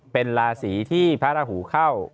เป็นราศีที่พระราหูเข้า